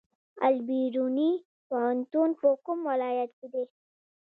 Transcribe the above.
البیروني پوهنتون په کوم ولایت کې دی؟